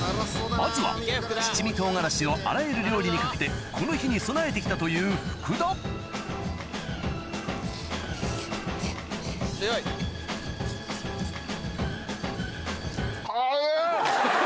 まずは七味唐辛子をあらゆる料理にかけてこの日に備えて来たという強い！